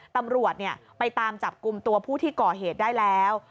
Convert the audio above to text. ตำรวจไปตามจับกลุ่มตัวผู้ที่ก่อเหตุได้แล้ว